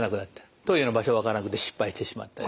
トイレの場所がわからなくて失敗してしまったり。